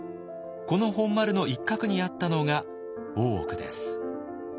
この本丸の一角にあったのが大奥です。